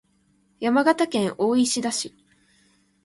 山形県大石田町